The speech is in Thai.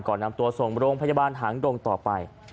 นำตัวส่งโรงพยาบาลหางดงต่อไป